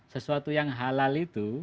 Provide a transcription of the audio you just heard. sesuatu yang halal itu